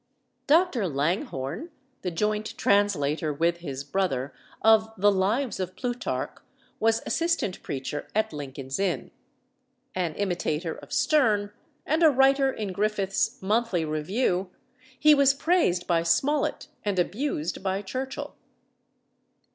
Dr. Langhorne, the joint translator with his brother of the Lives of Plutarch, was assistant preacher at Lincoln's Inn. An imitator of Sterne, and a writer in Griffiths's Monthly Review, he was praised by Smollett and abused by Churchill.